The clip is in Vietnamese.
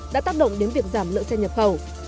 đã tác động đến việc giảm lượng xe nhập khẩu